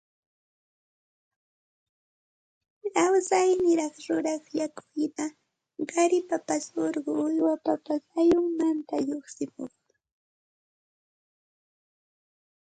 lawsaniraq yuraq yakuhina qaripapas urqu uywapapas ullunmanta lluqsimuq